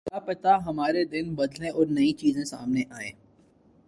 کیا پتا ہمارے دن بدلیں اور نئی چیزیں سامنے آئیں۔